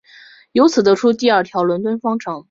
由此得出第二条伦敦方程。